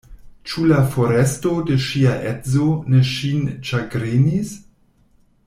Ĉu la foresto de ŝia edzo ne ŝin ĉagrenis?